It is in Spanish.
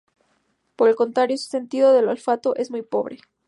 Por el contrario, su sentido del olfato es muy pobre.